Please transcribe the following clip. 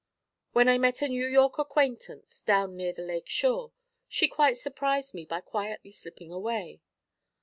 When I met a New York acquaintance, down near the lake shore, she quite surprised me by quietly slipping away.